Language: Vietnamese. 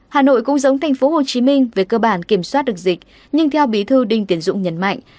hà nội cũng giống thành phố hồ chí minh về cơ bản kiểm soát được dịch nhưng theo bí thư đinh tiến dũng nhấn mạnh